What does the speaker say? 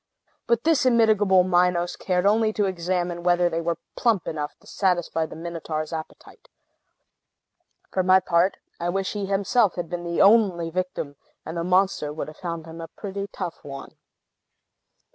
But this immitigable Minos cared only to examine whether they were plump enough to satisfy the Minotaur's appetite. For my part, I wish he himself had been the only victim; and the monster would have found him a pretty tough one.